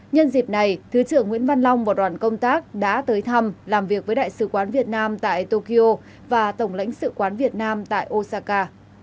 nhân dịp này thứ trưởng nguyễn văn long và đoàn công tác đã tới thăm làm việc với đại sứ quán việt nam tại tokyo và tổng lãnh sự quán việt nam tại osaka